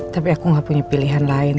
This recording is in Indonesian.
tapi aku gak punya pilihan lain